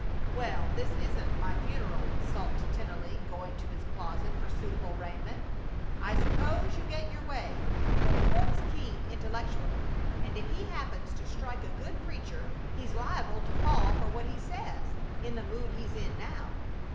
"Well, this isn't my funeral," sulked Tennelly, going to his closet for suitable raiment. "I s'pose you get your way, but Court's keen intellectually, and if he happens to strike a good preacher he's liable to fall for what he says, in the mood he's in now."